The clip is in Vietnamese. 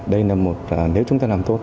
đây là một nếu chúng ta làm tốt